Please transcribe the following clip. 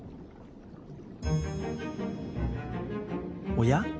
おや？